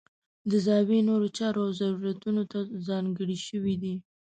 د زاویې نورو چارو او ضرورتونو ته ځانګړې شوي دي.